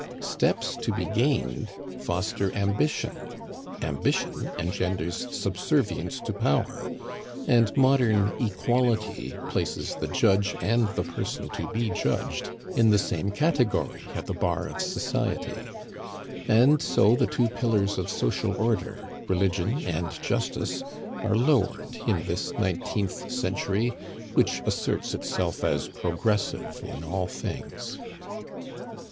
Steps to be gained foster ambition, ambition engenders subservience to power, and modern equality places the judge and the person to be judged in the same category at the bar of society. And so the two pillars of social order, Religion and Justice, are lowered in this nineteenth century, which asserts itself as progressive in all things.